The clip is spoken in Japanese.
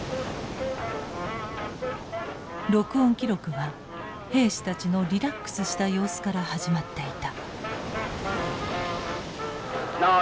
録音記録は兵士たちのリラックスした様子から始まっていた。